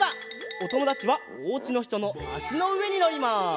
おともだちはおうちのひとのあしのうえにのります！